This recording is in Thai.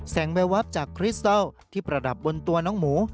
งแววับจากคริสเตอร์ที่ประดับบนตัวน้องหมู